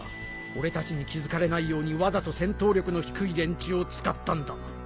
俺たちに気付かれないようにわざと戦闘力の低い連中を使ったんだ。